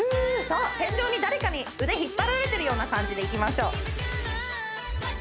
そう天井に誰かに腕引っ張られてるような感じでいきましょうＶｅｒｙｇｏｏｄ！